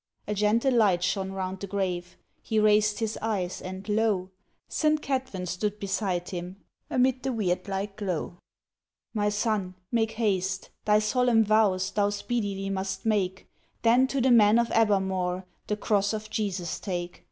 A gentle light shone round the grave, He raised his eyes, and lo! St. Cadfan stood beside him, Amid the weird like glow; "My son, make haste, thy solemn vows Thou speedily must make, Then to the men of Abermawr The Cross of Jesus take.